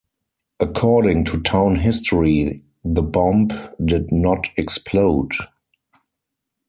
According to town history the bomb did not explode.